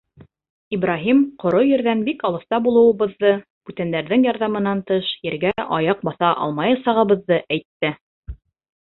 Ибраһим ҡоро ерҙән бик алыҫта булыуыбыҙҙы, бүтәндәрҙең ярҙамынан тыш, ергә аяҡ баҫа алмаясағыбыҙҙы әйтте.